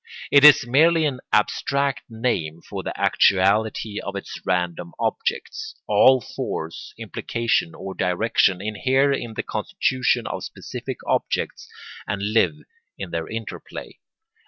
It is merely an abstract name for the actuality of its random objects. All force, implication, or direction inhere in the constitution of specific objects and live in their interplay.